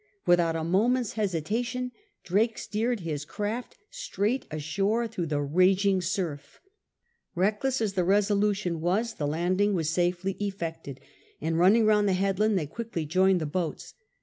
Without a moment's hesitation Drake steered his raft straight ashore through the raging suri Eeckless as the resolution was, the landing was safely effected, and running round the headland they quickly joined the boats.